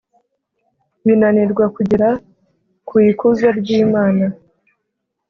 bananirwa kugera ku ikuzo ry’Imana